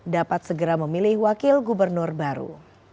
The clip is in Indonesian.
dapat segera memilih wakil gubernur baru